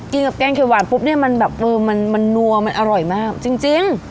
กับแกงเขียวหวานปุ๊บเนี่ยมันแบบมือมันนัวมันอร่อยมากจริง